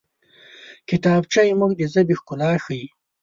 کتابچه زموږ د ژبې ښکلا ښيي